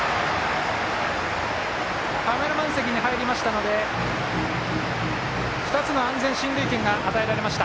カメラマン席に入りましたので２つの安全進塁権が与えられました。